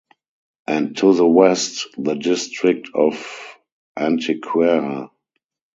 And to the west, the district of Antequera.